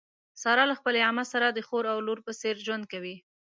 ساره له خپلې عمه سره د خور او لور په څېر ژوند کوي.